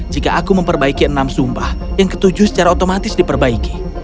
jika aku memperbaiki enam sumpah yang ketujuh secara otomatis diperbaiki